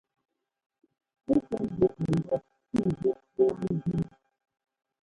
Ɛ́ sɛ́ ḿbígɛ ŋgɔ ńzẅíꞌ lá ńzúu.